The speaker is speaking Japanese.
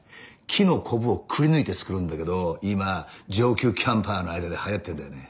木のコブをくりぬいて作るんだけど今上級キャンパーの間で流行ってるんだよね。